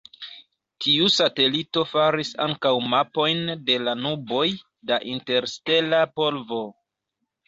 Tiu satelito faris ankaŭ mapojn de la nuboj da interstela polvo.